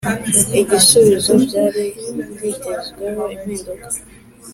Igisubizo byari byitezweho impinduka